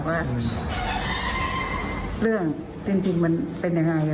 ว่าเรื่องจริงมันเป็นยังไง